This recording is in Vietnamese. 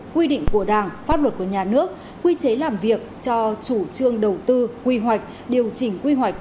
quy định của đảng pháp luật của nhà nước quy chế làm việc cho chủ trương đầu tư quy hoạch điều chỉnh quy hoạch